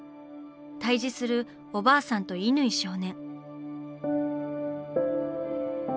対峙するおばあさんと乾少年。